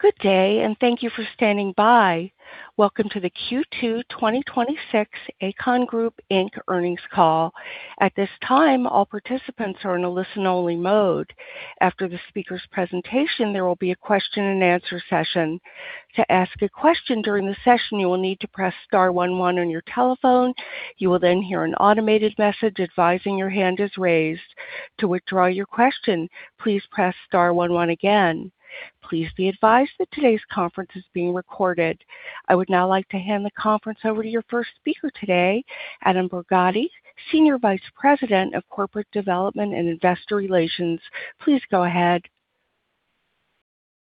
Good day, and thank you for standing by. Welcome to the Q2 2026 Aecon Group Inc. earnings call. At this time, all participants are in a listen-only mode. After the speaker's presentation, there will be a question and answer session. To ask a question during the session, you will need to press star one one on your telephone. You will then hear an automated message advising your hand is raised. To withdraw your question, please press star one one again. Please be advised that today's conference is being recorded. I would now like to hand the conference over to your first speaker today, Adam Borgatti, Senior Vice President of Corporate Development and Investor Relations. Please go ahead.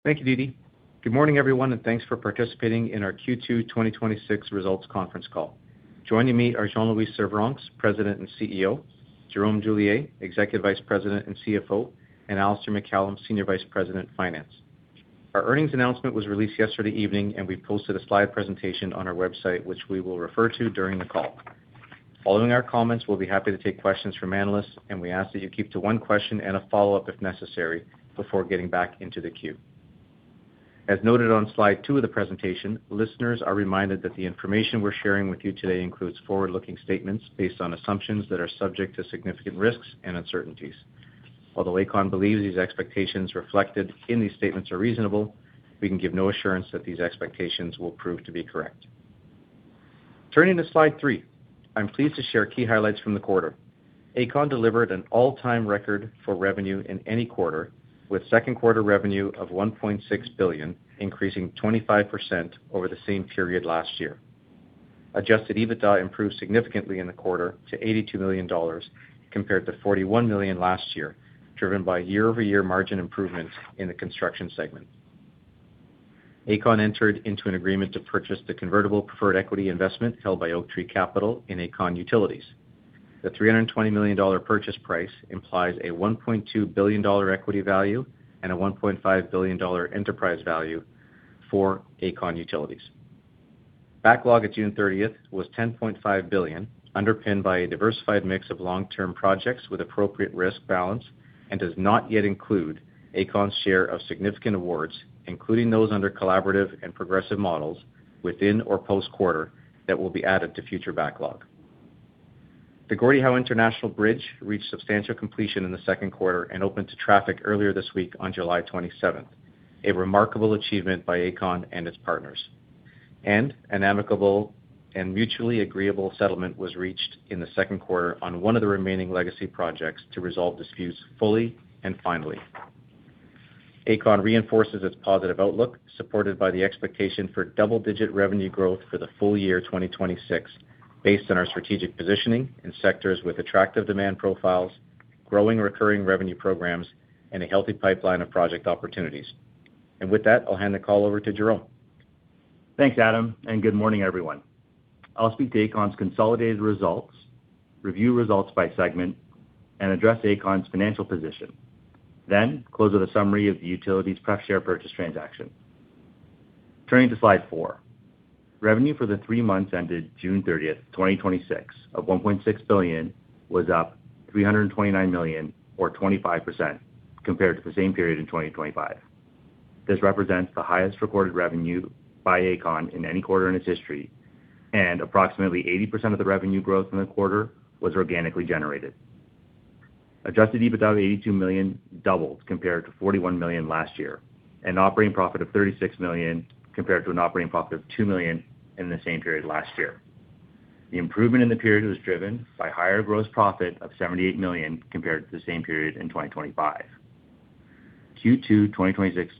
Thank you, Deedee. Good morning, everyone, and thanks for participating in our Q2 2026 results conference call. Joining me are Jean-Louis Servranckx, President and CEO, Jerome Julier, Executive Vice President and CFO, and Alistair MacCallum, Senior Vice President, Finance. Our earnings announcement was released yesterday evening, we posted a slide presentation on our website, which we will refer to during the call. Following our comments, we'll be happy to take questions from analysts, we ask that you keep to one question and a follow-up, if necessary, before getting back into the queue. As noted on slide two of the presentation, listeners are reminded that the information we're sharing with you today includes forward-looking statements based on assumptions that are subject to significant risks and uncertainties. Although Aecon believes these expectations reflected in these statements are reasonable, we can give no assurance that these expectations will prove to be correct. Turning to slide three. I'm pleased to share key highlights from the quarter. Aecon delivered an all-time record for revenue in any quarter, with second quarter revenue of 1.6 billion, increasing 25% over the same period last year. Adjusted EBITDA improved significantly in the quarter to 82 million dollars compared to 41 million last year, driven by year-over-year margin improvements in the construction segment. Aecon entered into an agreement to purchase the convertible preferred equity investment held by Oaktree Capital in Aecon Utilities. The 320 million dollar purchase price implies a 1.2 billion dollar equity value and a 1.5 billion dollar enterprise value for Aecon Utilities. Backlog at June 30th was 10.5 billion, underpinned by a diversified mix of long-term projects with appropriate risk balance, does not yet include Aecon's share of significant awards, including those under collaborative and progressive models within or post-quarter that will be added to future backlog. The Gordie Howe International Bridge reached substantial completion in the second quarter, opened to traffic earlier this week on July 27th. A remarkable achievement by Aecon and its partners. An amicable and mutually agreeable settlement was reached in the second quarter on one of the remaining legacy projects to resolve disputes fully and finally. Aecon reinforces its positive outlook, supported by the expectation for double-digit revenue growth for the full year 2026, based on our strategic positioning in sectors with attractive demand profiles, growing recurring revenue programs, and a healthy pipeline of project opportunities. With that, I'll hand the call over to Jerome. Thanks, Adam. Good morning, everyone. I'll speak to Aecon's consolidated results, review results by segment, and address Aecon's financial position, then close with a summary of the utilities preferred share purchase transaction. Turning to slide four. Revenue for the three months ended June 30th, 2026, of 1.6 billion was up 329 million or 25% compared to the same period in 2025. This represents the highest recorded revenue by Aecon in any quarter in its history. Approximately 80% of the revenue growth in the quarter was organically generated. Adjusted EBITDA of 82 million doubles compared to 41 million last year. Operating profit of 36 million compared to an operating profit of 2 million in the same period last year. The improvement in the period was driven by higher gross profit of 78 million compared to the same period in 2025. Q2 2026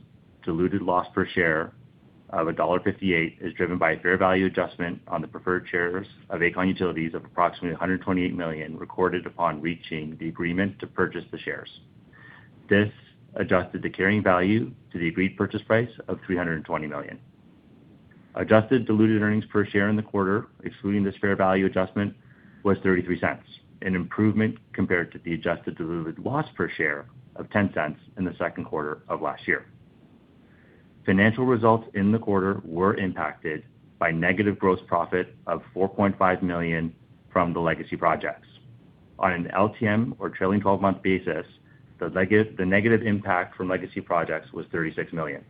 diluted loss per share of dollar 1.58 is driven by a fair value adjustment on the preferred shares of Aecon Utilities of approximately 128 million recorded upon reaching the agreement to purchase the shares. This adjusted the carrying value to the agreed purchase price of 320 million. Adjusted diluted earnings per share in the quarter, excluding this fair value adjustment, was 0.33, an improvement compared to the adjusted diluted loss per share of 0.10 in the second quarter of last year. Financial results in the quarter were impacted by negative gross profit of 4.5 million from the legacy projects. On an LTM or trailing 12-month basis, the negative impact from legacy projects was 36 million.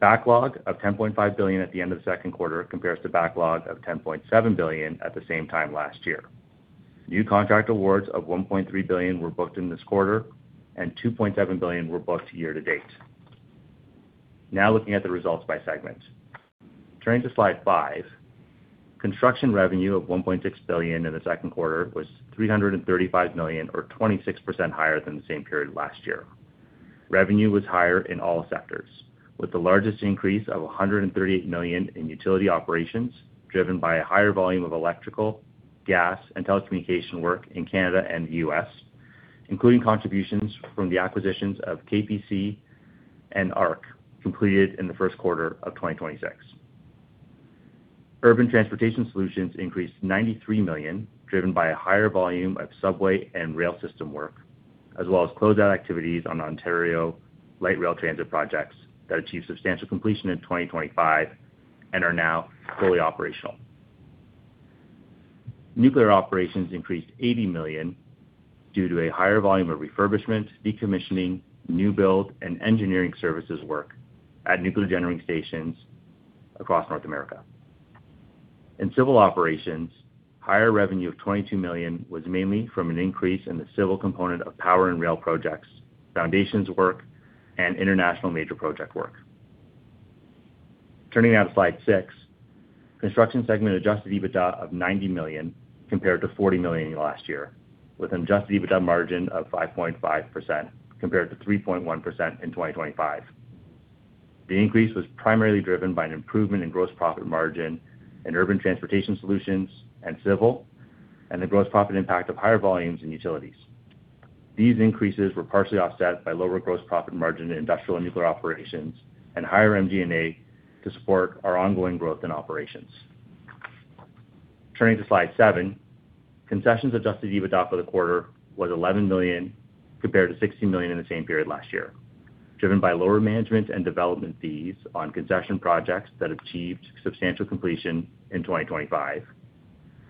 Backlog of 10.5 billion at the end of the second quarter compares to backlog of 10.7 billion at the same time last year. New contract awards of 1.3 billion were booked in this quarter. 2.7 billion were booked year to date. Now looking at the results by segment. Turning to slide five. Construction revenue of 1.6 billion in the second quarter was 335 million, or 26% higher than the same period last year. Revenue was higher in all sectors, with the largest increase of 138 million in utility operations, driven by a higher volume of electrical, gas, and telecommunication work in Canada and the U.S., including contributions from the acquisitions of KPC and ARC, completed in the first quarter of 2026. Urban Transportation Solutions increased 93 million, driven by a higher volume of subway and rail system work, as well as closeout activities on Ontario light rail transit projects that achieved substantial completion in 2025 and are now fully operational. Nuclear operations increased 80 million due to a higher volume of refurbishment, decommissioning, new build, and engineering services work at nuclear generating stations across North America. In civil operations, higher revenue of 22 million was mainly from an increase in the civil component of power and rail projects, foundations work, and international major project work. Turning now to slide six. Construction segment adjusted EBITDA of 90 million compared to 40 million last year, with an adjusted EBITDA margin of 5.5% compared to 3.1% in 2025. The increase was primarily driven by an improvement in gross profit margin in urban transportation solutions and civil, and the gross profit impact of higher volumes in utilities. These increases were partially offset by lower gross profit margin in industrial and nuclear operations and higher MG&A to support our ongoing growth in operations. Turning to slide seven. Concessions adjusted EBITDA for the quarter was 11 million compared to 16 million in the same period last year, driven by lower management and development fees on concession projects that achieved substantial completion in 2025,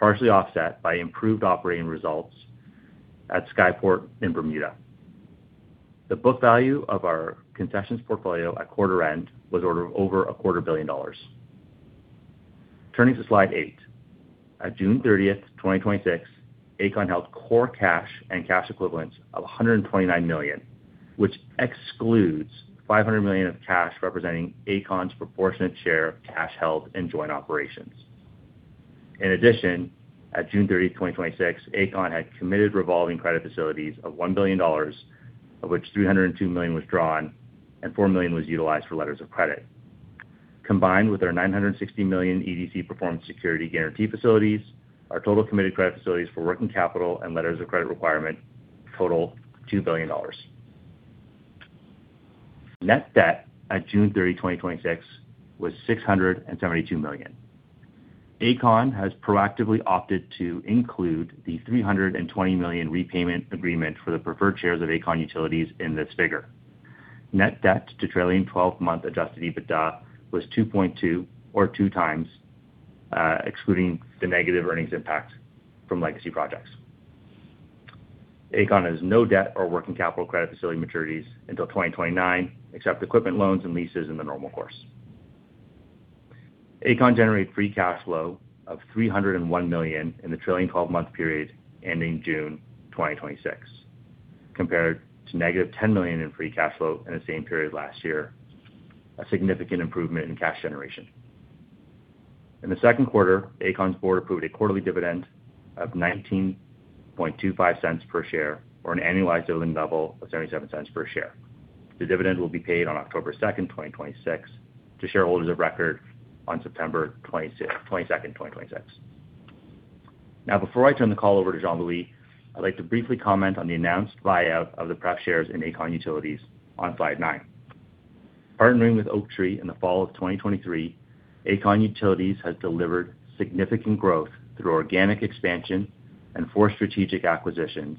partially offset by improved operating results at Skyport in Bermuda. The book value of our concessions portfolio at quarter end was over a quarter billion CAD. Turning to slide eight. At June 30th, 2026, Aecon held core cash and cash equivalents of 129 million, which excludes 500 million of cash representing Aecon's proportionate share of cash held in joint operations. In addition, at June 30, 2026, Aecon had committed revolving credit facilities of 1 billion dollars, of which 302 million was drawn and 4 million was utilized for letters of credit. Combined with our 960 million EDC performance security guarantee facilities, our total committed credit facilities for working capital and letters of credit requirement total 2 billion dollars. Net debt at June 30, 2026, was 672 million. Aecon has proactively opted to include the 320 million repayment agreement for the preferred shares of Aecon Utilities in this figure. Net debt to trailing 12-month adjusted EBITDA was 2.2 or 2x, excluding the negative earnings impact from legacy projects. Aecon has no debt or working capital credit facility maturities until 2029 except equipment loans and leases in the normal course. Aecon generated free cash flow of 301 million in the trailing 12-month period ending June 2026, compared to negative 10 million in free cash flow in the same period last year, a significant improvement in cash generation. In the second quarter, Aecon's board approved a quarterly dividend of 0.1925 per share or an annualized dividend level of 0.77 per share. The dividend will be paid on October 2nd, 2026, to shareholders of record on September 22nd, 2026. Before I turn the call over to Jean-Louis, I'd like to briefly comment on the announced buyout of the Preferred Shares in Aecon Utilities on slide nine. Partnering with Oaktree in the fall of 2023, Aecon Utilities has delivered significant growth through organic expansion and four strategic acquisitions,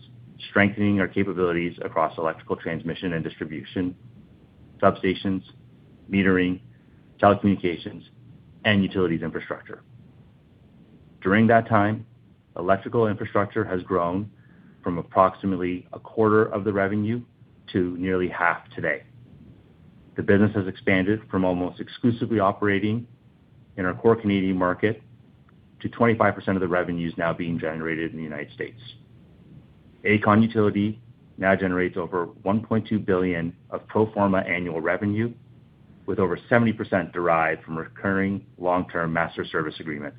strengthening our capabilities across electrical transmission and distribution, substations, metering, telecommunications, and utilities infrastructure. During that time, electrical infrastructure has grown from approximately a quarter of the revenue to nearly half today. The business has expanded from almost exclusively operating in our core Canadian market to 25% of the revenues now being generated in the U.S. Aecon Utilities now generates over 1.2 billion of pro forma annual revenue, with over 70% derived from recurring long-term master service agreements,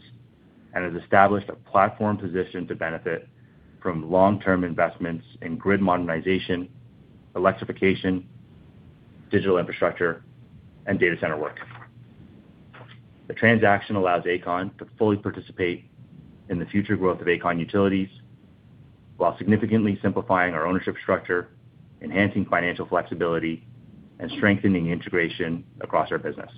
and has established a platform position to benefit from long-term investments in grid modernization, electrification, digital infrastructure, and data center work. The transaction allows Aecon to fully participate in the future growth of Aecon Utilities while significantly simplifying our ownership structure, enhancing financial flexibility, and strengthening integration across our business.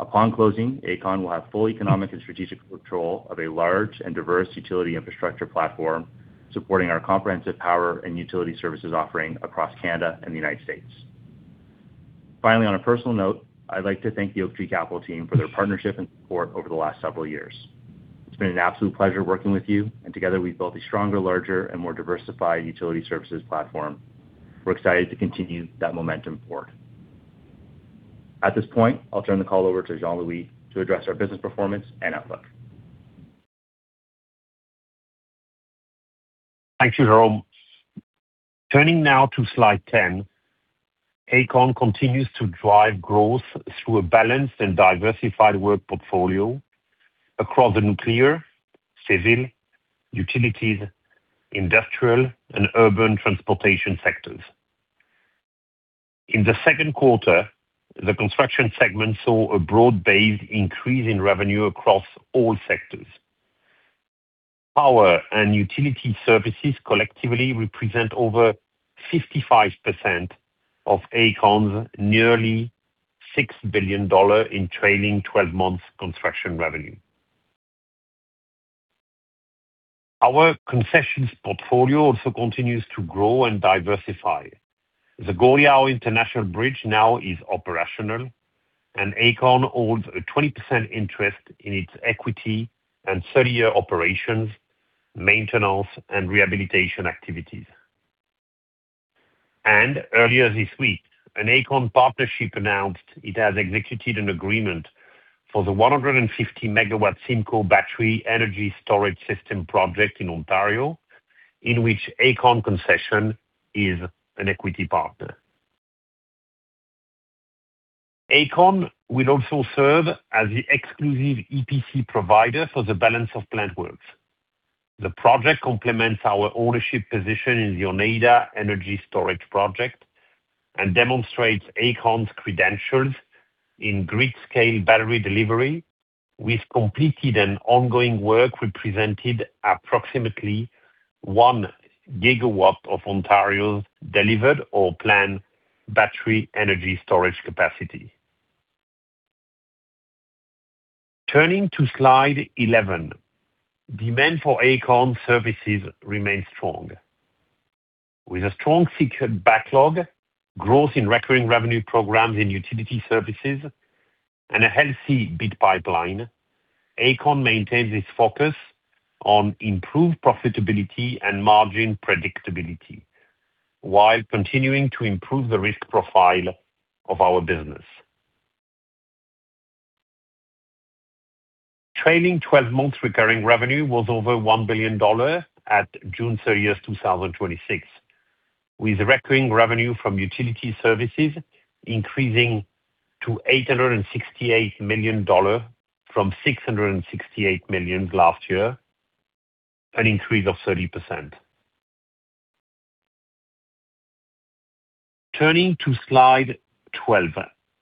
Upon closing, Aecon will have full economic and strategic control of a large and diverse utility infrastructure platform supporting our comprehensive power and utility services offering across Canada and the United States. Finally, on a personal note, I'd like to thank the Oaktree Capital team for their partnership and support over the last several years. It's been an absolute pleasure working with you, and together we've built a stronger, larger, and more diversified utility services platform. We're excited to continue that momentum forward. At this point, I'll turn the call over to Jean-Louis to address our business performance and outlook. Thank you, Jerome. Turning now to slide 10. Aecon continues to drive growth through a balanced and diversified work portfolio across the nuclear, civil, utilities, industrial, and urban transportation sectors. In the second quarter, the construction segment saw a broad-based increase in revenue across all sectors. Power and utility services collectively represent over 55% of Aecon's nearly 6 billion dollar in trailing 12 months construction revenue. Our concessions portfolio also continues to grow and diversify. The Gordie Howe International Bridge now is operational. Aecon holds a 20% interest in its equity and 30-year operations, maintenance, and rehabilitation activities. Earlier this week, an Aecon partnership announced it has executed an agreement for the 150 MW Simcoe Battery Energy Storage System Project in Ontario, in which Aecon Concessions is an equity partner. Aecon will also serve as the exclusive EPC provider for the balance of plant works. The project complements our ownership position in the Oneida energy storage project and demonstrates Aecon's credentials in grid scale battery delivery, with completed and ongoing work represented approximately 1 GW of Ontario's delivered or planned battery energy storage capacity. Turning to slide 11. Demand for Aecon services remains strong. With a strong secured backlog, growth in recurring revenue programs in utility services, and a healthy bid pipeline, Aecon maintains its focus on improved profitability and margin predictability while continuing to improve the risk profile of our business. Trailing 12 months recurring revenue was over 1 billion dollars at June 30th, 2026, with recurring revenue from utility services increasing to 868 million dollar from 668 million last year, an increase of 30%. Turning to slide 12.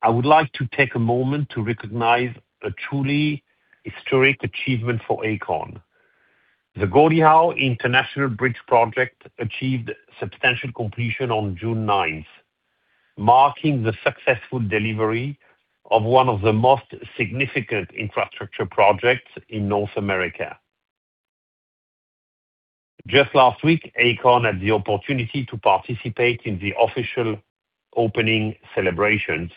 I would like to take a moment to recognize a truly historic achievement for Aecon. The Gordie Howe International Bridge Project achieved substantial completion on June 9th, marking the successful delivery of one of the most significant infrastructure projects in North America. Just last week, Aecon had the opportunity to participate in the official opening celebrations,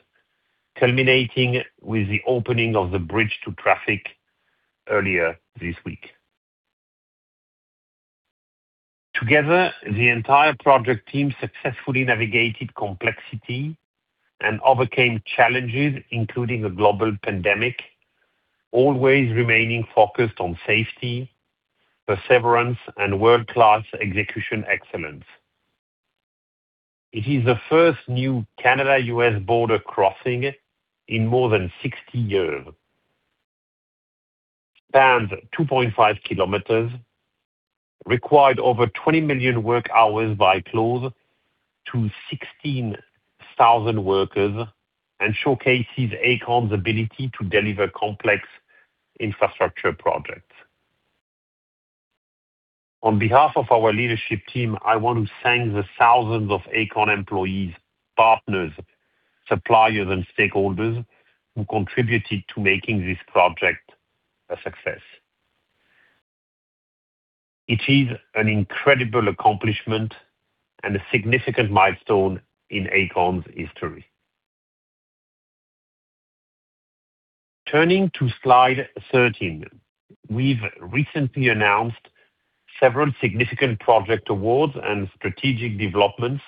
culminating with the opening of the bridge to traffic earlier this week. Together, the entire project team successfully navigated complexity and overcame challenges, including a global pandemic, always remaining focused on safety, perseverance, and world-class execution excellence. It is the first new Canada-U.S. border crossing in more than 60 years. Spans 2.5 km, required over 20 million work hours by close to 16,000 workers, and showcases Aecon's ability to deliver complex infrastructure projects. On behalf of our leadership team, I want to thank the thousands of Aecon employees, partners, suppliers and stakeholders who contributed to making this project a success. It is an incredible accomplishment and a significant milestone in Aecon's history. Turning to slide 13. We've recently announced several significant project awards and strategic developments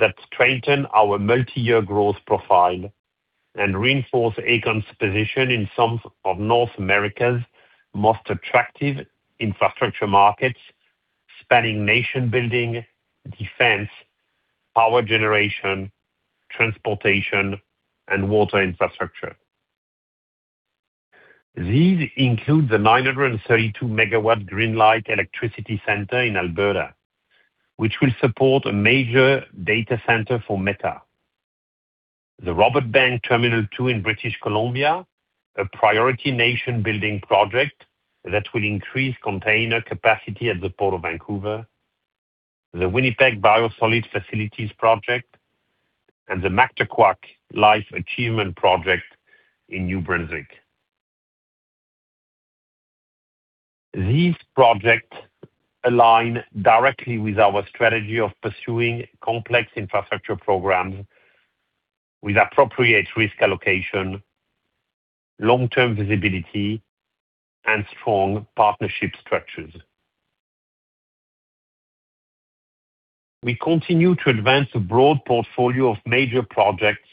that strengthen our multi-year growth profile and reinforce Aecon's position in some of North America's most attractive infrastructure markets, spanning nation-building, defense, power generation, transportation, and water infrastructure. These include the 932 MW Greenlight Electricity Centre in Alberta, which will support a major data center for Meta. The Roberts Bank Terminal 2 in British Columbia, a priority nation-building project that will increase container capacity at the Port of Vancouver, the Winnipeg Biosolids Facilities Project, and the Mactaquac Life Achievement Project in New Brunswick. These projects align directly with our strategy of pursuing complex infrastructure programs with appropriate risk allocation, long-term visibility, and strong partnership structures. We continue to advance a broad portfolio of major projects,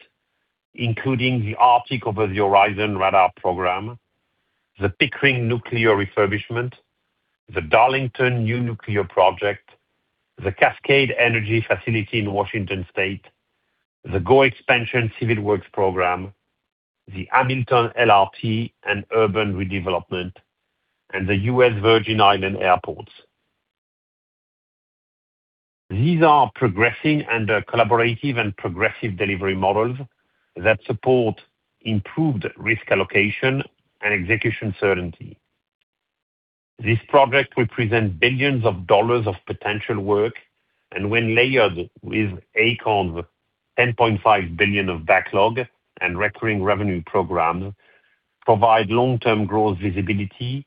including the Arctic Over-the-Horizon Radar Program, the Pickering Nuclear refurbishment, the Darlington New Nuclear Project, the Cascade Energy Facility in Washington State, the GO Expansion Civil Works Program, the Hamilton LRT and Urban Redevelopment, and the U.S. Virgin Island Airports. These are progressing under collaborative and progressive delivery models that support improved risk allocation and execution certainty. This project represent billions of CAD of potential work, and when layered with Aecon's 10.5 billion of backlog and recurring revenue programs, provide long-term growth visibility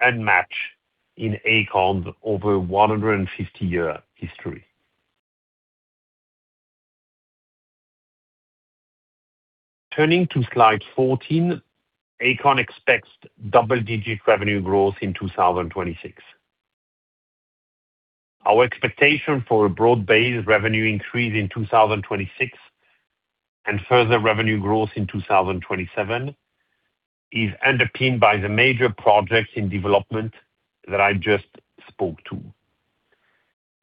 and match in Aecon's over 150-year history. Turning to slide 14, Aecon expects double-digit revenue growth in 2026. Our expectation for a broad-based revenue increase in 2026 and further revenue growth in 2027 is underpinned by the major projects in development that I just spoke to.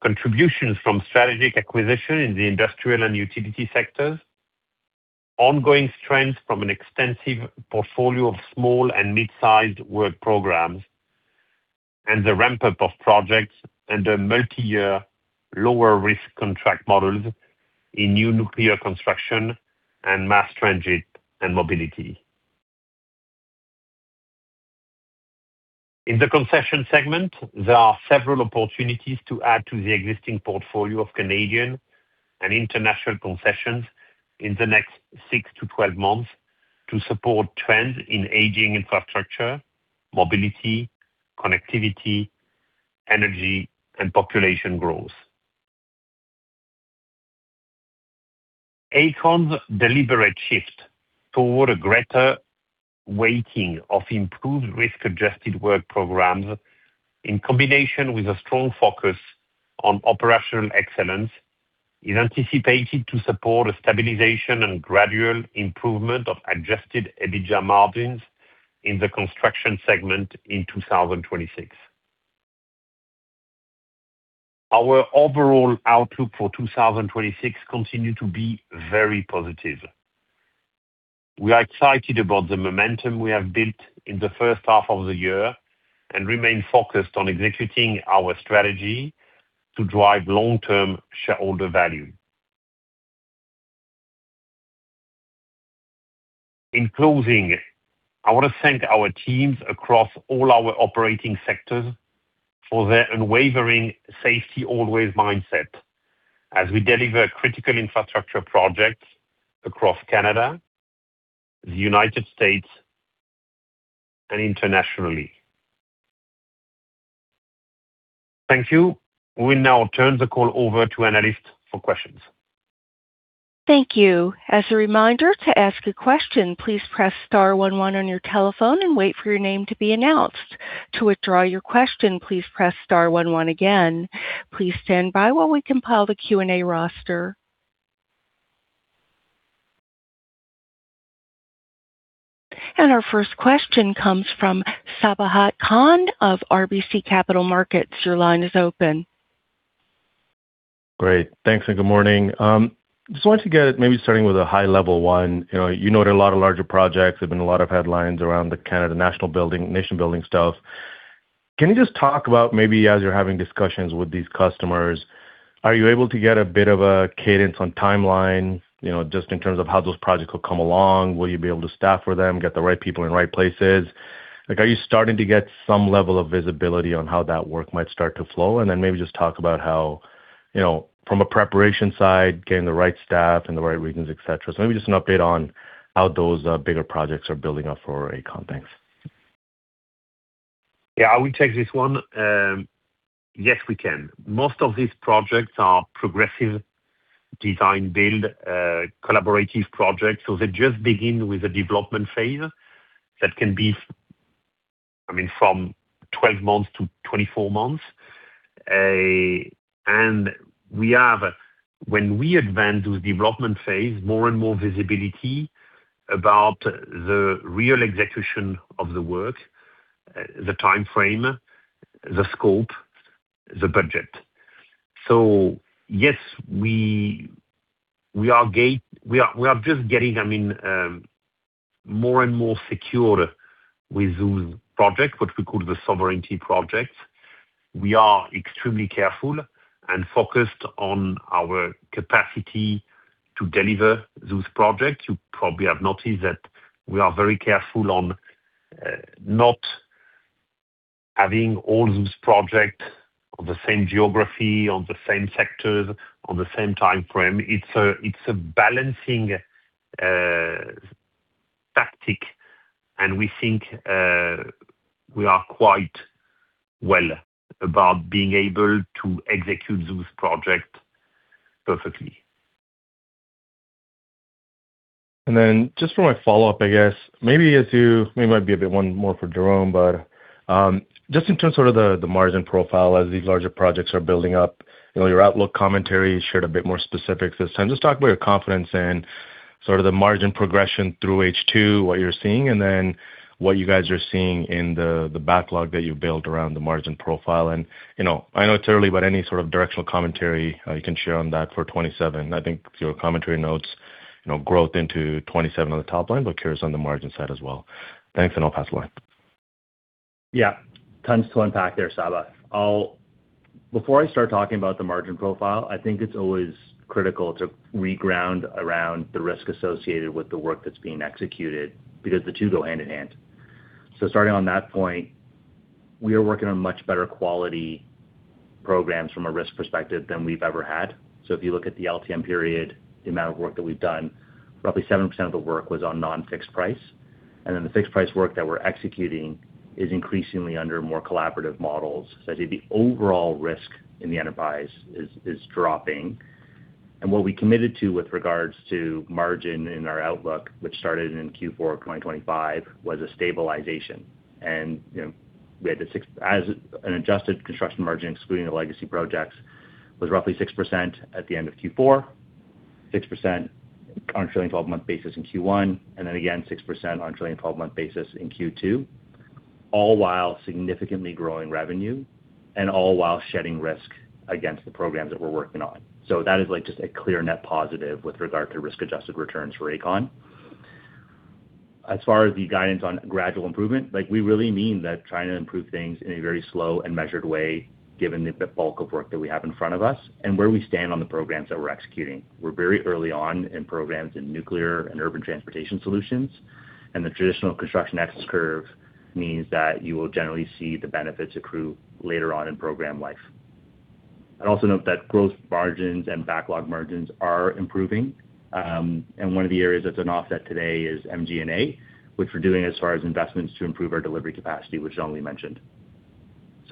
Contributions from strategic acquisition in the industrial and utility sectors, ongoing strength from an extensive portfolio of small and mid-sized work programs, and the ramp-up of projects under multi-year lower risk contract models in new nuclear construction and mass transit and mobility. In the concession segment, there are several opportunities to add to the existing portfolio of Canadian and international concessions in the next six to 12 months to support trends in aging infrastructure, mobility, connectivity, energy, and population growth. Aecon's deliberate shift toward a greater weighting of improved risk-adjusted work programs, in combination with a strong focus on operational excellence, is anticipated to support a stabilization and gradual improvement of adjusted EBITDA margins in the construction segment in 2026. Our overall outlook for 2026 continue to be very positive. We are excited about the momentum we have built in the first half of the year and remain focused on executing our strategy to drive long-term shareholder value. In closing, I want to thank our teams across all our operating sectors for their unwavering safety always mindset as we deliver critical infrastructure projects across Canada, the U.S., and internationally. Thank you. We now turn the call over to analyst for questions. Thank you. As a reminder, to ask a question, please press star one one on your telephone and wait for your name to be announced. To withdraw your question, please press star one one again. Please stand by while we compile the Q&A roster. Our first question comes from Sabahat Khan of RBC Capital Markets. Your line is open. Great. Thanks and good morning. Maybe starting with a high level one. You noted a lot of larger projects. There have been a lot of headlines around the Canada nation-building stuff. Can you just talk about maybe as you're having discussions with these customers, are you able to get a bit of a cadence on timeline, just in terms of how those projects will come along? Will you be able to staff for them, get the right people in right places? Are you starting to get some level of visibility on how that work might start to flow? Then maybe just talk about how, from a preparation side, getting the right staff in the right regions, et cetera. Maybe just an update on how those bigger projects are building up for Aecon. Thanks. Yeah, I will take this one. Yes, we can. Most of these projects are progressive design-build, collaborative projects. They just begin with the development phase. That can be from 12-24 months. When we advance those development phase, more and visibility about the real execution of the work, the timeframe, the scope, the budget. Yes, we are just getting more and more secure with those projects, what we call the sovereignty projects. We are extremely careful and focused on our capacity to deliver those projects. You probably have noticed that we are very careful on not having all those projects on the same geography, on the same sectors, on the same timeframe. It's a balancing tactic, and we think we are quite well about being able to execute those projects perfectly. Just for my follow-up, I guess maybe it might be a bit one more for Jerome, just in terms of the margin profile as these larger projects are building up, your outlook commentary shared a bit more specifics this time. Talk about your confidence in sort of the margin progression through H2, what you're seeing, and what you guys are seeing in the backlog that you've built around the margin profile. I know it's early, but any sort of directional commentary you can share on that for 2027. I think your commentary notes growth into 2027 on the top line, but curious on the margin side as well. Thanks. I'll pass the line. Tons to unpack there, Sabahat. Before I start talking about the margin profile, I think it's always critical to reground around the risk associated with the work that's being executed, because the two go hand in hand. Starting on that point, we are working on much better quality programs from a risk perspective than we've ever had. The fixed price work that we're executing is increasingly under more collaborative models. I'd say the overall risk in the enterprise is dropping. What we committed to with regards to margin in our outlook, which started in Q4 of 2025, was a stabilization. As an adjusted construction margin, excluding the legacy projects, was roughly 6% at the end of Q4, 6% on a trailing 12-month basis in Q1, and again 6% on a trailing 12-month basis in Q2, all while significantly growing revenue, and all while shedding risk against the programs that we're working on. That is just a clear net positive with regard to risk-adjusted returns for Aecon. As far as the guidance on gradual improvement, we really mean that trying to improve things in a very slow and measured way, given the bulk of work that we have in front of us, and where we stand on the programs that we're executing. We're very early on in programs in nuclear and urban transportation solutions, and the traditional construction S-curve means that you will generally see the benefits accrue later on in program life. I'd also note that growth margins and backlog margins are improving. One of the areas that's an offset today is MG&A, which we're doing as far as investments to improve our delivery capacity, which Jean-Louis mentioned.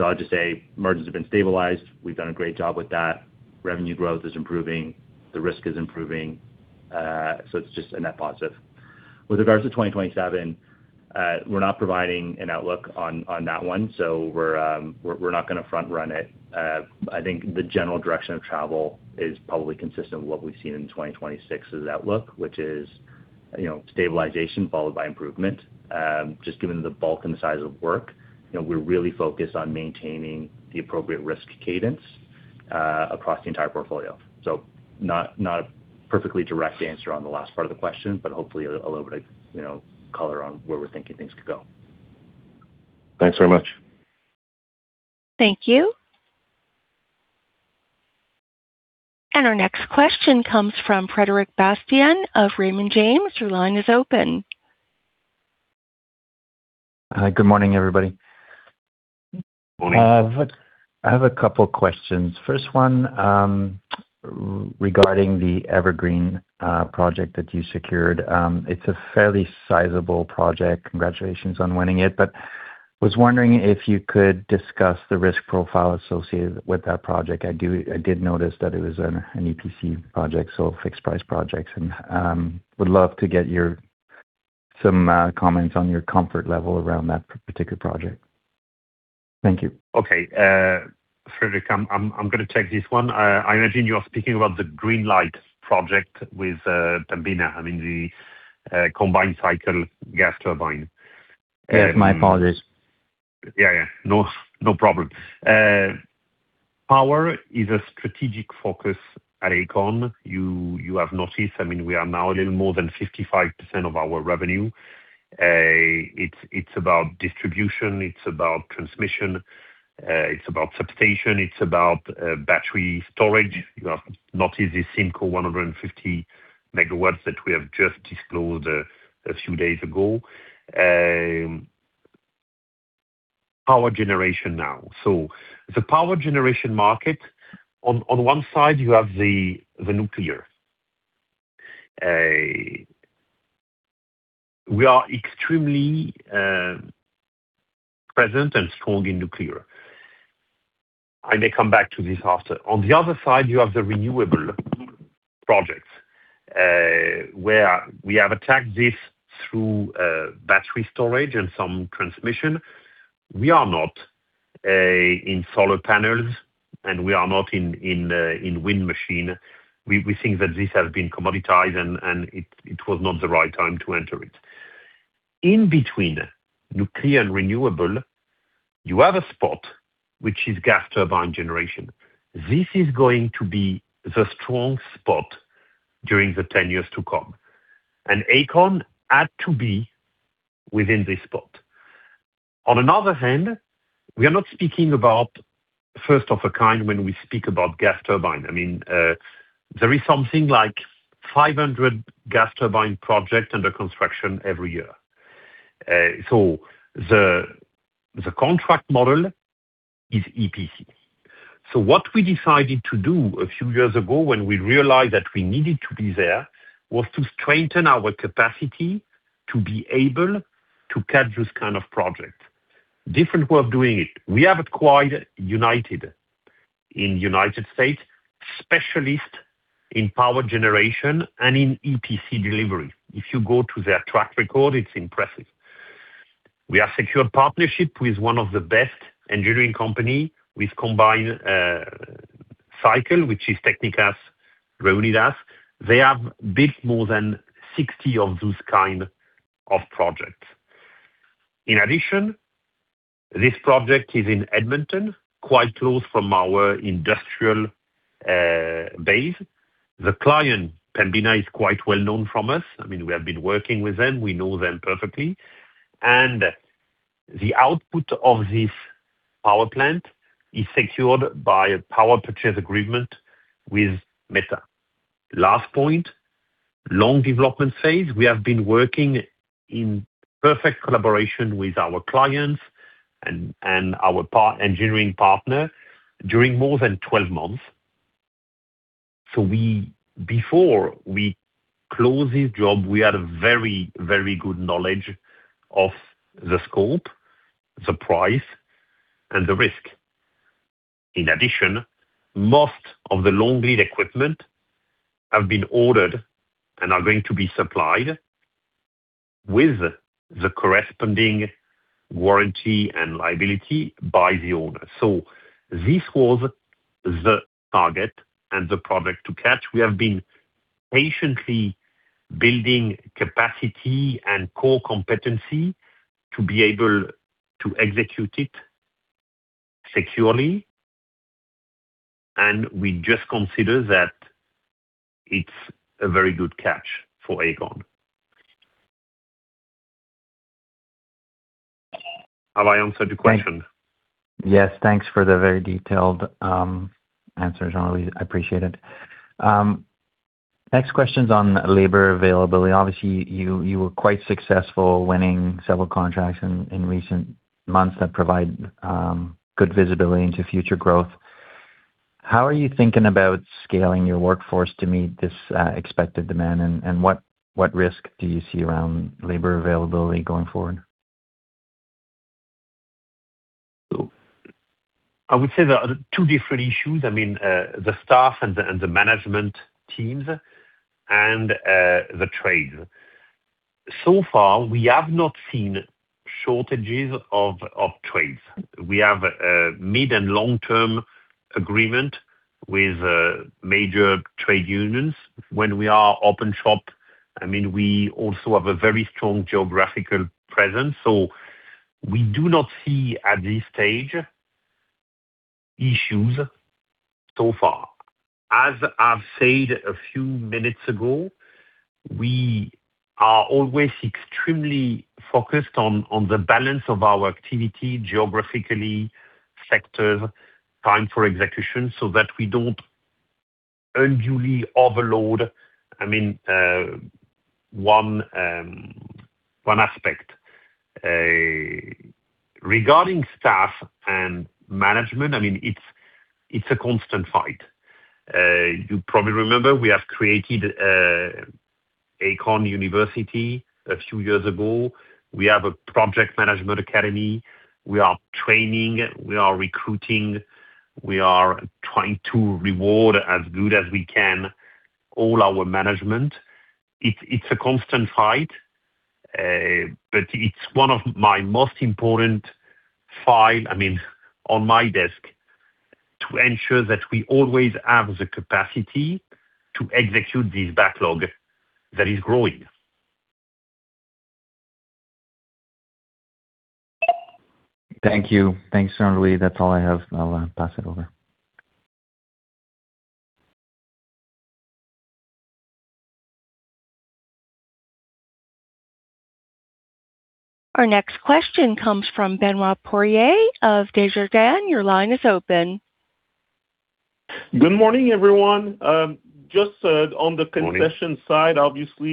I'll just say margins have been stabilized. We've done a great job with that. Revenue growth is improving. The risk is improving. It's just a net positive. With regards to 2027, we're not providing an outlook on that one. We're not going to front-run it. I think the general direction of travel is probably consistent with what we've seen in 2026's outlook, which is stabilization followed by improvement. Given the bulk and the size of work, we're really focused on maintaining the appropriate risk cadence across the entire portfolio. Not a perfectly direct answer on the last part of the question, but hopefully a little bit of color on where we're thinking things could go. Thanks very much. Thank you. Our next question comes from Frederic Bastien of Raymond James. Your line is open. Hi. Good morning, everybody. Morning. I have a couple questions. First one regarding the Evergreen project that you secured. It's a fairly sizable project. Congratulations on winning it. Was wondering if you could discuss the risk profile associated with that project. I did notice that it was an EPC project, so a fixed price project, and would love to get some comments on your comfort level around that particular project. Thank you. Okay, Frederic, I'm gonna take this one. I imagine you are speaking about the Greenlight project with Pembina. I mean, the combined cycle gas turbine. Yes, my apologies. No problem. Power is a strategic focus at Aecon. You have noticed, we are now a little more than 55% of our revenue. It's about distribution, it's about transmission, it's about substation, it's about battery storage. You have noticed the Simcoe 150 MW that we have just disclosed a few days ago. Power generation now. The power generation market, on one side you have the nuclear. We are extremely present and strong in nuclear. I may come back to this after. On the other side, you have the renewable projects, where we have attacked this through battery storage and some transmission. We are not in solar panels, and we are not in wind machine. We think that this has been commoditized, and it was not the right time to enter it. In between nuclear and renewable, you have a spot, which is gas turbine generation. This is going to be the strong spot during the 10 years to come. Aecon had to be within this spot. On another hand, we are not speaking about first of a kind when we speak about gas turbine. There is something like 500 gas turbine projects under construction every year. The contract model is EPC. What we decided to do a few years ago when we realized that we needed to be there, was to strengthen our capacity to be able to catch this kind of project. Different way of doing it. We have acquired United in the U.S., specialist in power generation and in EPC delivery. If you go to their track record, it's impressive. We have secured partnership with one of the best engineering company with combined cycle, which is Técnicas Reunidas. They have built more than 60 of those kind of projects. In addition, this project is in Edmonton, quite close from our industrial base. The client, Pembina, is quite well-known from us. We have been working with them. We know them perfectly. The output of this power plant is secured by a power purchase agreement with Meta. Last point, long development phase. We have been working in perfect collaboration with our clients and our engineering partner during more than 12 months. Before we close this job, we had a very good knowledge of the scope, the price, and the risk. In addition, most of the long lead equipment have been ordered and are going to be supplied with the corresponding warranty and liability by the owner. This was the target and the product to catch. We have been patiently building capacity and core competency to be able to execute it securely, and we just consider that it's a very good catch for Aecon. Have I answered your question? Yes. Thanks for the very detailed answers, Jean-Louis. I appreciate it. Next question's on labor availability. Obviously, you were quite successful winning several contracts in recent months that provide good visibility into future growth. How are you thinking about scaling your workforce to meet this expected demand, and what risk do you see around labor availability going forward? I would say there are two different issues. I mean, the staff and the management teams and the trades. So far, we have not seen shortages of trades. We have a mid- and long-term agreement with major trade unions when we are open shop. We also have a very strong geographical presence. We do not see, at this stage, issues so far. As I've said a few minutes ago, we are always extremely focused on the balance of our activity geographically, sector, time for execution, so that we don't unduly overload one aspect. Regarding staff and management, it's a constant fight. You probably remember we have created Aecon University a few years ago. We have a project management academy. We are training, we are recruiting, we are trying to reward as good as we can all our management. It's a constant fight. It's one of my most important file on my desk to ensure that we always have the capacity to execute this backlog that is growing. Thank you. Thanks, Jean-Louis. That's all I have. I'll pass it over. Our next question comes from Benoit Poirier of Desjardins. Your line is open. Good morning, everyone. On the concession side, obviously,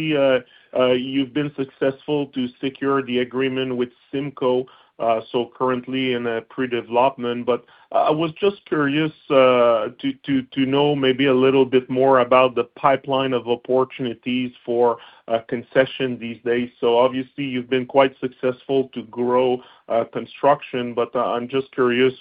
you've been successful to secure the agreement with Simcoe. Currently in a pre-development, but I was just curious to know maybe a little bit more about the pipeline of opportunities for concession these days. Obviously you've been quite successful to grow construction, but I'm just curious,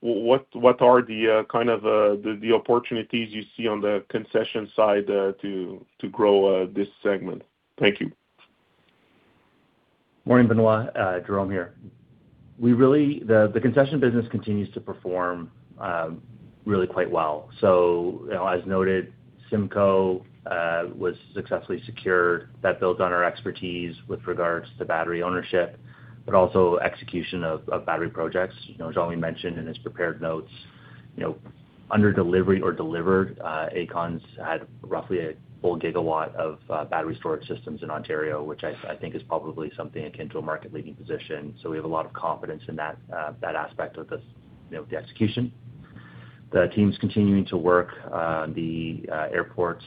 what are the kind of the opportunities you see on the concession side to grow this segment? Thank you. Morning, Benoit. Jerome here. The concession business continues to perform really quite well. As noted, Simcoe was successfully secured. That builds on our expertise with regards to battery ownership, but also execution of battery projects. As Jean-Louis mentioned in his prepared notes, under delivery or delivered, Aecon's had roughly a full GW of battery storage systems in Ontario, which I think is probably something akin to a market leading position. We have a lot of confidence in that aspect of the execution. The team's continuing to work on the airports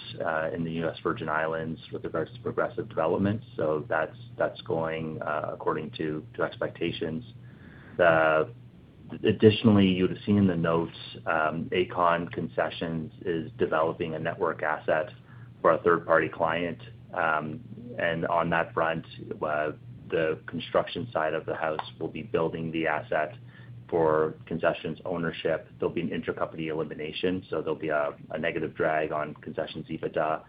in the U.S. Virgin Islands with regards to progressive development. That's going according to expectations. Additionally, you would have seen in the notes, Aecon Concessions is developing a network asset for a third party client. On that front, the construction side of the house will be building the asset for concessions ownership. There'll be an intracompany elimination, there'll be a negative drag on Concessions EBITDA.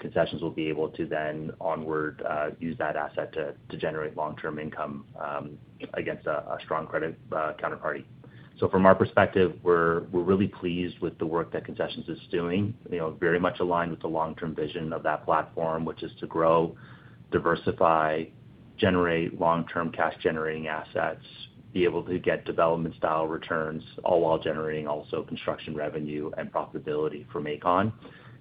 Concessions will be able to then onward use that asset to generate long-term income against a strong credit counterparty. From our perspective, we're really pleased with the work that Concessions is doing. Very much aligned with the long-term vision of that platform, which is to grow, diversify, generate long-term cash generating assets, be able to get development style returns, all while generating also construction revenue and profitability from Aecon,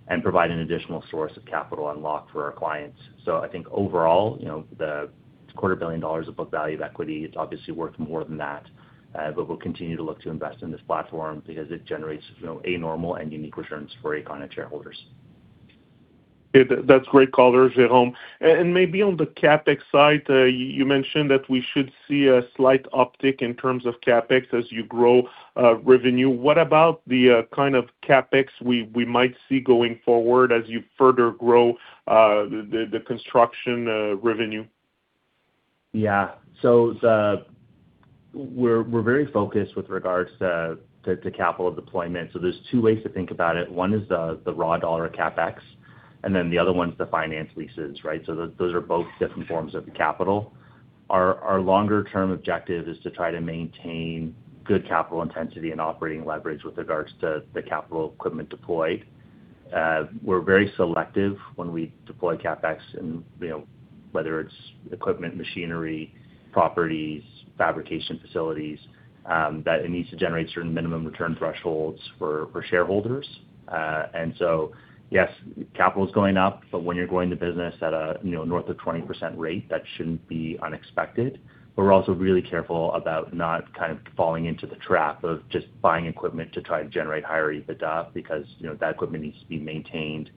and provide an additional source of capital unlock for our clients. I think overall, the quarter billion dollars of book value of equity, it's obviously worth more than that. We'll continue to look to invest in this platform because it generates a normal and unique returns for Aecon and shareholders. That's great color, Jerome. Maybe on the CapEx side, you mentioned that we should see a slight uptick in terms of CapEx as you grow revenue. What about the kind of CapEx we might see going forward as you further grow the construction revenue? We're very focused with regards to capital deployment. There's two ways to think about it. One is the raw a dollar CapEx, and then the other one is the finance leases, right. Those are both different forms of capital. Our longer-term objective is to try to maintain good capital intensity and operating leverage with regards to the capital equipment deployed. We're very selective when we deploy CapEx and whether it's equipment, machinery, properties, fabrication facilities, that it needs to generate certain minimum return thresholds for shareholders. Yes, capital is going up, but when you're growing the business at north of 20% rate, that shouldn't be unexpected. We're also really careful about not falling into the trap of just buying equipment to try to generate higher EBITDA because that equipment needs to be maintained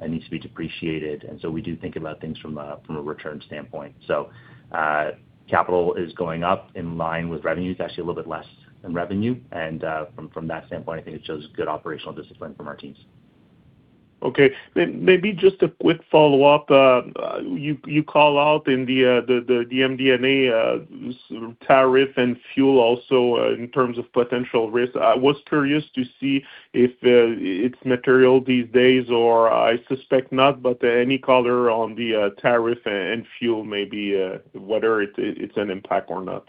and needs to be depreciated. We do think about things from a return standpoint. Capital is going up in line with revenue. It's actually a little bit less than revenue. From that standpoint, I think it shows good operational discipline from our teams. Maybe just a quick follow-up. You call out in the MD&A, tariff and fuel also in terms of potential risk. I was curious to see if it's material these days or I suspect not, but any color on the tariff and fuel maybe, whether it's an impact or not.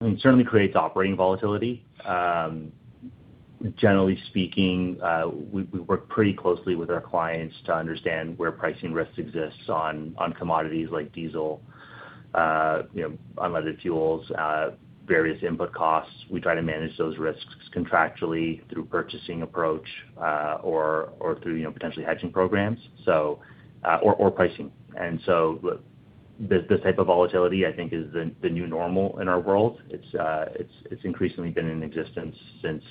It certainly creates operating volatility. Generally speaking, we work pretty closely with our clients to understand where pricing risk exists on commodities like diesel, unleaded fuels, various input costs. We try to manage those risks contractually through purchasing approach or through potentially hedging programs. Or pricing. This type of volatility, I think is the new normal in our world. It's increasingly been in existence since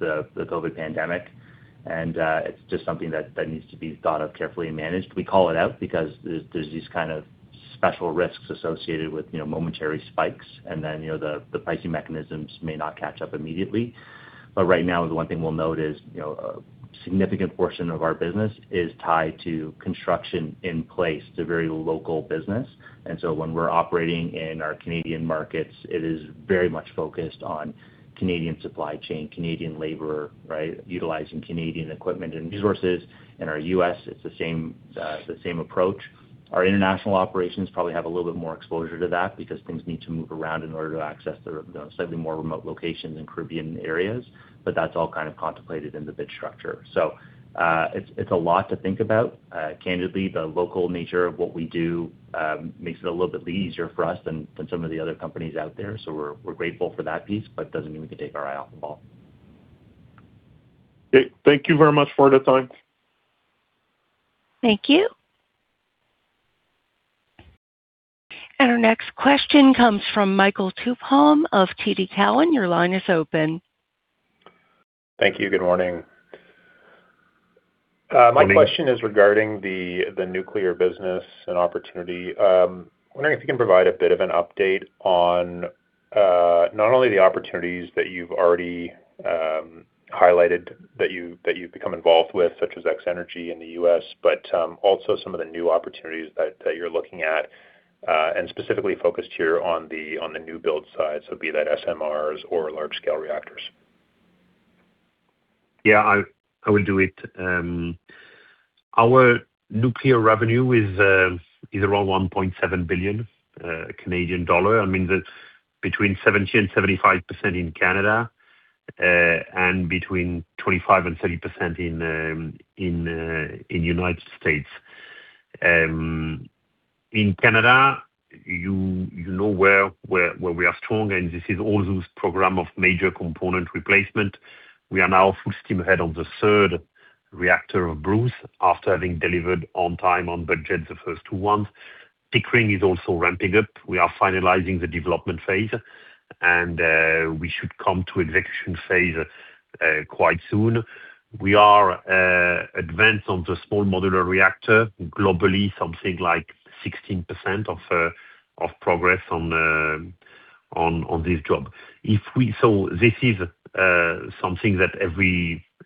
the COVID pandemic. It's just something that needs to be thought of carefully and managed. We call it out because there's these kind of special risks associated with momentary spikes, and then the pricing mechanisms may not catch up immediately. Right now, the one thing we'll note is a significant portion of our business is tied to construction in place. It's a very local business. When we're operating in our Canadian markets, it is very much focused on Canadian supply chain, Canadian labor, right? Utilizing Canadian equipment and resources. In our U.S., it's the same approach. Our international operations probably have a little bit more exposure to that because things need to move around in order to access the slightly more remote locations and Caribbean areas. That's all kind of contemplated in the bid structure. It's a lot to think about. Candidly, the local nature of what we do makes it a little bit easier for us than some of the other companies out there. We're grateful for that piece, but doesn't mean we can take our eye off the ball. Okay. Thank you very much for the time. Thank you. Our next question comes from Michael Tupholme of TD Cowen. Your line is open. Thank you. Good morning. My question is regarding the nuclear business and opportunity. I'm wondering if you can provide a bit of an update on not only the opportunities that you've already highlighted, that you've become involved with, such as X-energy in the U.S., but also some of the new opportunities that you're looking at, and specifically focused here on the new build side. Be that SMRs or large scale reactors. I will do it. Our nuclear revenue is around 1.7 billion Canadian dollar. That is between 70% and 75% in Canada, and between 25% and 30% in the U.S. In Canada, you know where we are strong, and this is all those programs of major component replacement. We are now full steam ahead on the third reactor of Bruce after having delivered on time, on budget the first two. Pickering is also ramping up. We are finalizing the development phase, and we should come to execution phase quite soon. We are advanced on the small modular reactor globally, something like 16% of progress on this job. This is something that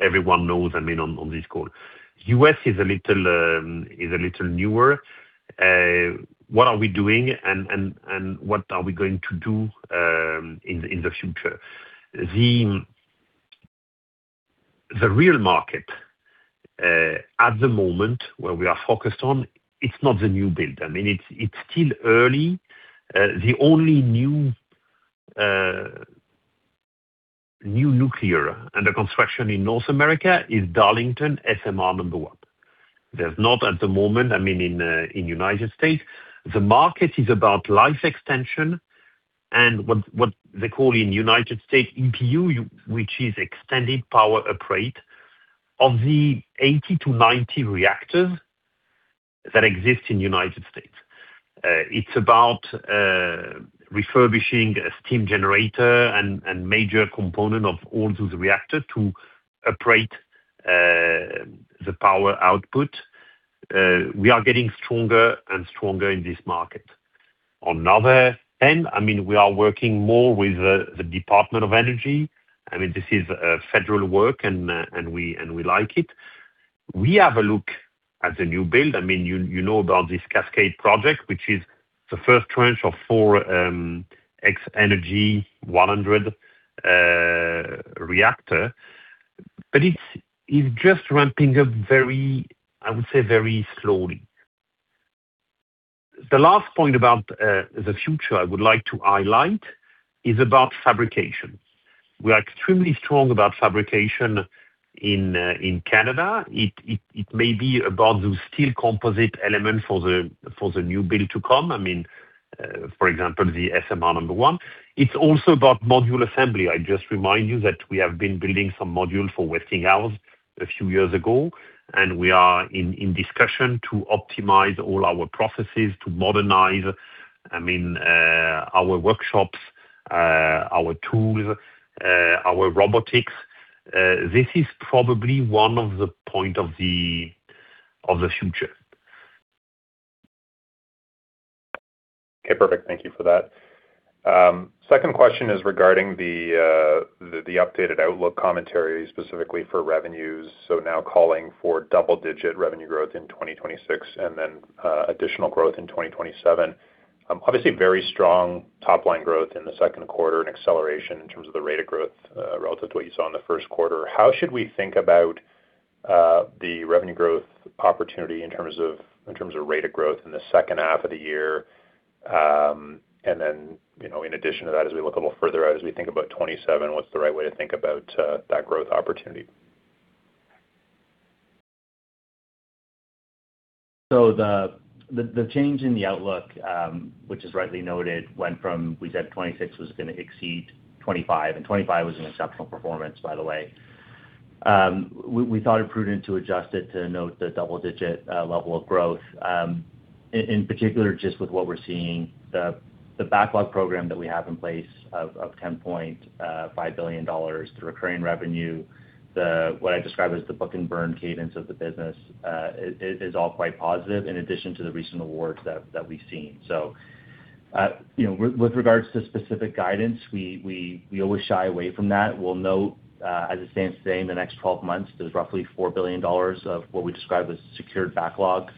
everyone knows on this call. The U.S. is a little newer. What are we doing and what are we going to do in the future? The real market at the moment where we are focused on, it is not the new build. It is still early. The only new nuclear under construction in North America is Darlington SMR number one. There is not at the moment in the U.S. The market is about life extension and what they call in the U.S., EPU, which is extended power uprate of the 80-90 reactors that exist in the U.S. It is about refurbishing a steam generator and major components of all those reactors to uprate the power output. We are getting stronger and stronger in this market. On another end, we are working more with the U.S. Department of Energy. This is federal work, and we like it. We have a look at the new build. You know about this Cascade project, which is the first tranche of four X-energy Xe-100 reactors. It is just ramping up, I would say, very slowly. The last point about the future I would like to highlight is about fabrication. We are extremely strong about fabrication in Canada. It may be about those steel composite elements for the new build to come, for example, the SMR number one. It is also about module assembly. I just remind you that we have been building some modules for Westinghouse Electric Company a few years ago, and we are in discussion to optimize all our processes to modernize our workshops, our tools, our robotics. This is probably one of the points of the future. Perfect. Thank you for that. Second question is regarding the updated outlook commentary, specifically for revenues. Now calling for double-digit revenue growth in 2026 and then additional growth in 2027. Obviously, very strong top-line growth in the second quarter and acceleration in terms of the rate of growth relative to what you saw in the first quarter. How should we think about the revenue growth opportunity in terms of rate of growth in the second half of the year? Then, in addition to that, as we look a little further out, as we think about 2027, what is the right way to think about that growth opportunity? The change in the outlook, which is rightly noted, went from we said 2026 was going to exceed 2025. 2025 was an exceptional performance, by the way. We thought it prudent to adjust it to note the double-digit level of growth, in particular, just with what we are seeing, the backlog program that we have in place of 10.5 billion dollars, the recurring revenue, what I describe as the book and burn cadence of the business, is all quite positive, in addition to the recent awards that we have seen. With regards to specific guidance, we always shy away from that. We will note, as it stands today, in the next 12 months, there's roughly 4 billion dollars of what we describe as secured backlog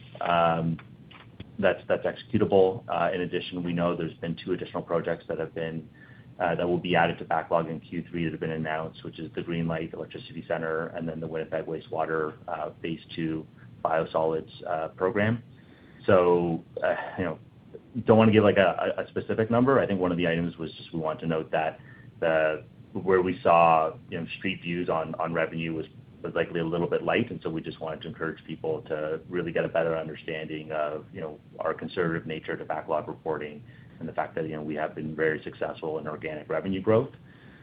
that's executable. In addition, we know there's been two additional projects that will be added to backlog in Q3 that have been announced, which is the Greenlight Electricity Centre and then the Winnipeg Wastewater Phase 2 Biosolids Program. Do not want to give a specific number. I think one of the items was just we want to note that where we saw street views on revenue was likely a little bit light, we just wanted to encourage people to really get a better understanding of our conservative nature to backlog reporting and the fact that we have been very successful in organic revenue growth,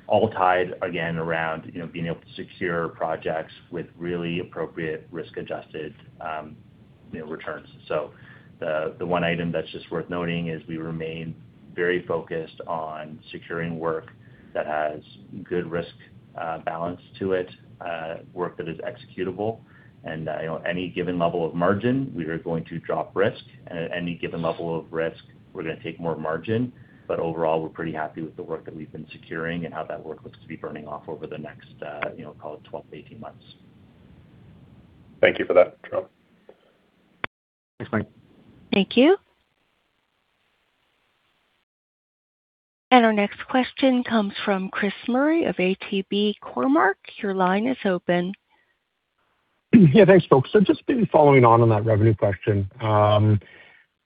all tied again around being able to secure projects with really appropriate risk-adjusted returns. The one item that's just worth noting is we remain very focused on securing work that has good risk balance to it, work that is executable. Any given level of margin, we are going to drop risk. At any given level of risk, we're going to take more margin. Overall, we're pretty happy with the work that we've been securing and how that work looks to be burning off over the next call it 12-18 months. Thank you for that, Jerome. Thanks, Michael. Thank you. Our next question comes from Chris Murray of ATB Capital Markets. Your line is open. Yeah, thanks, folks. Just maybe following on that revenue question.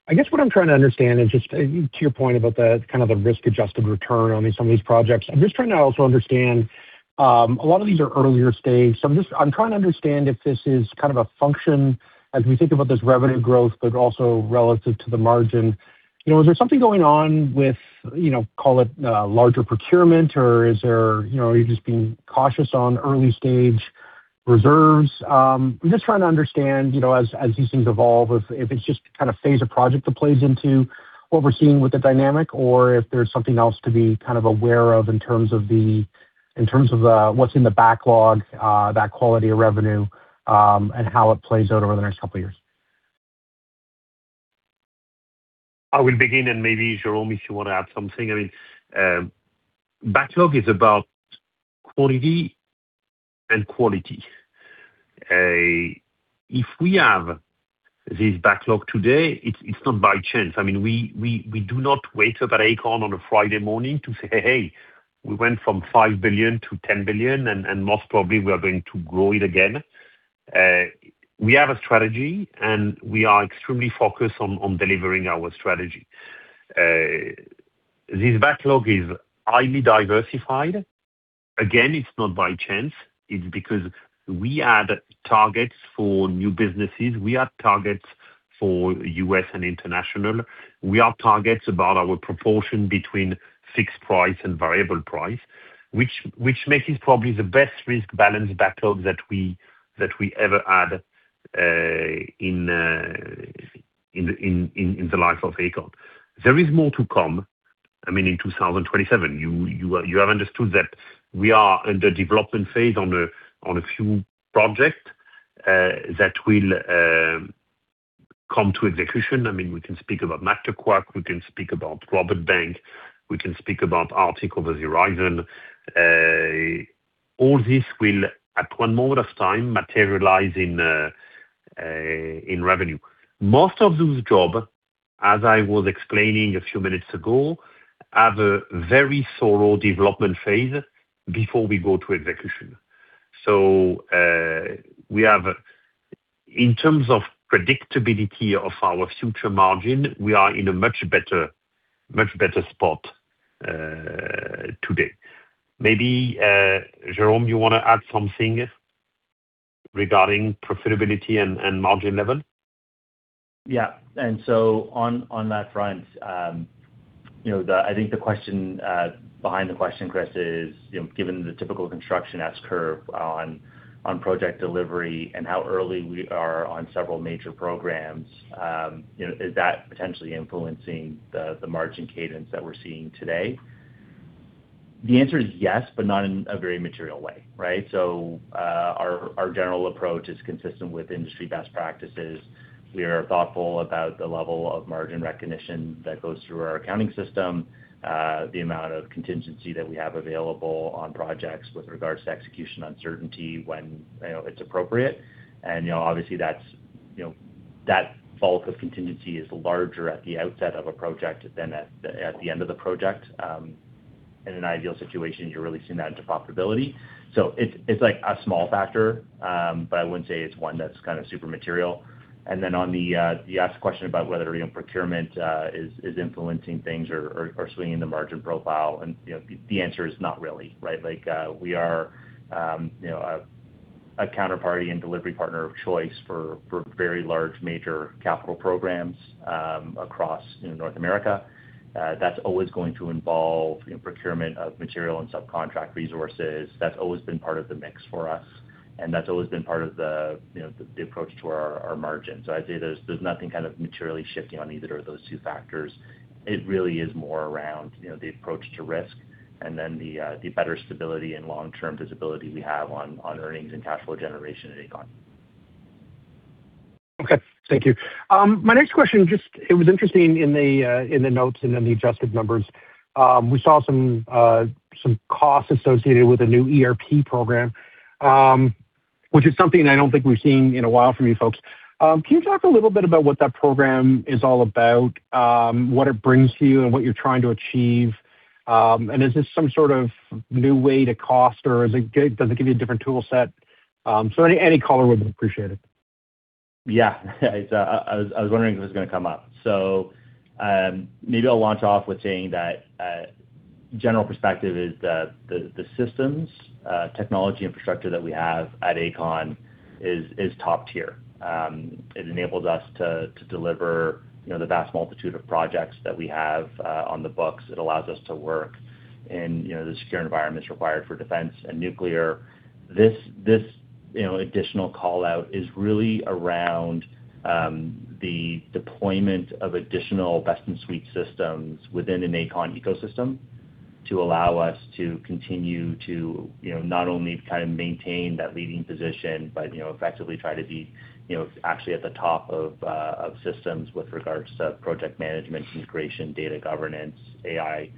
I guess what I am trying to understand is just to your point about the risk-adjusted return on some of these projects. I am just trying to also understand, a lot of these are earlier stage. I am trying to understand if this is kind of a function as we think about this revenue growth, but also relative to the margin. Is there something going on with call it larger procurement, or are you just being cautious on early-stage reserves? I am just trying to understand, as these things evolve, if it is just phase of project that plays into what we are seeing with the dynamic or if there is something else to be aware of in terms of what is in the backlog, that quality of revenue, and how it plays out over the next couple of years. I will begin and maybe, Jerome, if you want to add something. Backlog is about quality and quality. If we have this backlog today, it is not by chance. We do not wake up at Aecon on a Friday morning to say, "Hey, we went from 5 billion to 10 billion, and most probably we are going to grow it again." We have a strategy, and we are extremely focused on delivering our strategy. This backlog is highly diversified. Again, it is not by chance. It is because we had targets for new businesses. We had targets for U.S. and international. We had targets about our proportion between fixed price and variable price, which makes this probably the best risk balance backlog that we ever had in the life of Aecon. There is more to come in 2027. You have understood that we are in the development phase on a few projects that will come to execution. We can speak about Mactaquac, we can speak about Roberts Bank, we can speak about Arctic Over the Horizon. All this will, at one moment of time, materialize in revenue. Most of those jobs, as I was explaining a few minutes ago, have a very thorough development phase before we go to execution. In terms of predictability of our future margin, we are in a much better spot today. Maybe, Jerome, you want to add something regarding profitability and margin level? Yeah. On that front, I think behind the question, Chris, is given the typical construction S-curve on project delivery and how early we are on several major programs, is that potentially influencing the margin cadence that we're seeing today? The answer is yes, but not in a very material way. Right? Our general approach is consistent with industry best practices. We are thoughtful about the level of margin recognition that goes through our accounting system, the amount of contingency that we have available on projects with regards to execution uncertainty when it's appropriate. Obviously that bulk of contingency is larger at the outset of a project than at the end of the project. In an ideal situation, you're releasing that into profitability. It is a small factor, but I wouldn't say it's one that's super material. On the asked question about whether procurement is influencing things or swinging the margin profile, the answer is not really, right? We are a counterparty and delivery partner of choice for very large major capital programs across North America. That's always going to involve procurement of material and subcontract resources. That's always been part of the mix for us, and that's always been part of the approach to our margins. I'd say there's nothing materially shifting on either of those two factors. It really is more around the approach to risk and then the better stability and long-term visibility we have on earnings and cash flow generation at Aecon. Okay. Thank you. My next question just, it was interesting in the notes and then the adjusted numbers. We saw some costs associated with a new ERP program, which is something I don't think we've seen in a while from you folks. Can you talk a little bit about what that program is all about, what it brings to you, and what you're trying to achieve? Is this some sort of new way to cost, or does it give you a different tool set? Any color would be appreciated. Yeah. I was wondering if it was going to come up. Maybe I'll launch off with saying that general perspective is that the systems, technology infrastructure that we have at Aecon is top-tier. It enables us to deliver the vast multitude of projects that we have on the books. It allows us to work in the secure environments required for defense and nuclear. This additional call-out is really around the deployment of additional best-in-suite systems within an Aecon ecosystem to allow us to continue to not only maintain that leading position, but effectively try to be actually at the top of systems with regards to project management, integration, data governance, AI,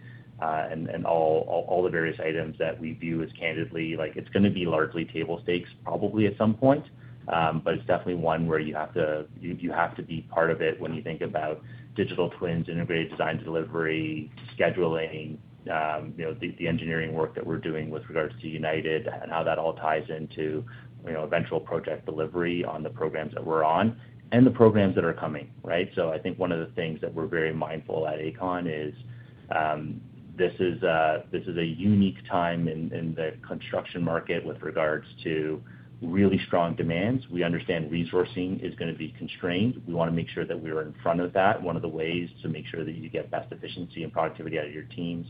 and all the various items that we view as candidly. It's going to be largely table stakes probably at some point, but it's definitely one where you have to be part of it when you think about digital twins, integrated design delivery, scheduling, the engineering work that we're doing with regards to United and how that all ties into eventual project delivery on the programs that we're on and the programs that are coming. Right? I think one of the things that we're very mindful at Aecon is this is a unique time in the construction market with regards to really strong demands. We understand resourcing is going to be constrained. We want to make sure that we are in front of that. One of the ways to make sure that you get best efficiency and productivity out of your teams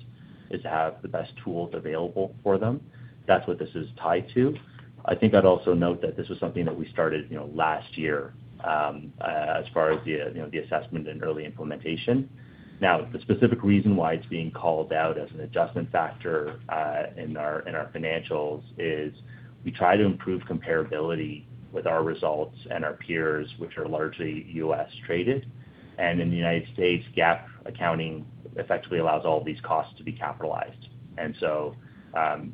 is to have the best tools available for them. That's what this is tied to. I'd also note that this is something that we started last year, as far as the assessment and early implementation. The specific reason why it's being called out as an adjustment factor in our financials is we try to improve comparability with our results and our peers, which are largely U.S. traded. In the United States, GAAP accounting effectively allows all these costs to be capitalized.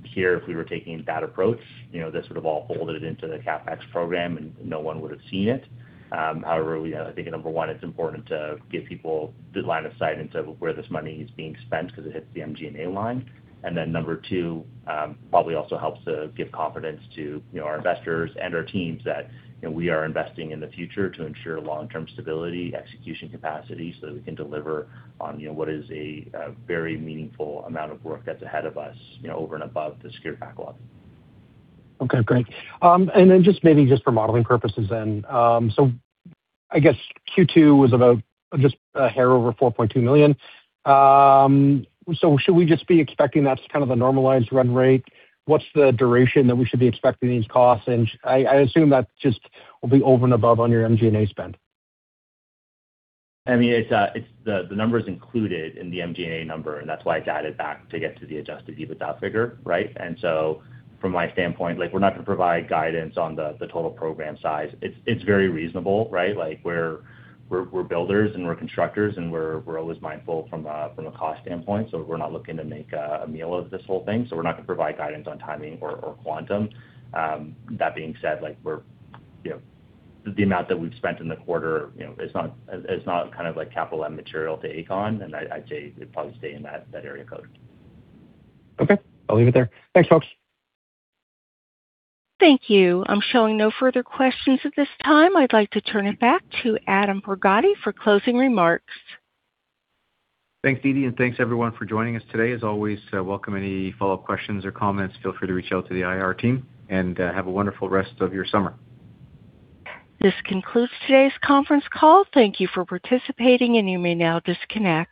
Here, if we were taking that approach, this would have all folded into the CapEx program, and no one would have seen it. However, it's important to give people good line of sight into where this money is being spent because it hits the MG&A line. Number two, probably also helps to give confidence to our investors and our teams that we are investing in the future to ensure long-term stability, execution capacity, so that we can deliver on what is a very meaningful amount of work that's ahead of us over and above the secure backlog. Okay, great. Just maybe just for modeling purposes. I guess Q2 was about just a hair over 4.2 million. Should we just be expecting that's kind of the normalized run rate? What's the duration that we should be expecting these costs? I assume that just will be over and above on your MG&A spend. The number is included in the MG&A number. That's why it's added back to get to the adjusted EBITDA figure, right? From my standpoint, we're not going to provide guidance on the total program size. It's very reasonable, right? We're builders and we're constructors. We're always mindful from a cost standpoint. We're not looking to make a meal of this whole thing. We're not going to provide guidance on timing or quantum. That being said, the amount that we've spent in the quarter is not like capital material to Aecon. I'd say it'd probably stay in that area code. Okay. I'll leave it there. Thanks, folks. Thank you. I'm showing no further questions at this time. I'd like to turn it back to Adam Borgatti for closing remarks. Thanks, Didi. Thanks everyone for joining us today. As always, welcome any follow-up questions or comments. Feel free to reach out to the IR team. Have a wonderful rest of your summer. This concludes today's conference call. Thank you for participating. You may now disconnect.